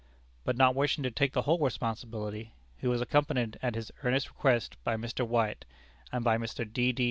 But not wishing to take the whole responsibility, he was accompanied at his earnest request by Mr. White, and by Mr. D. D.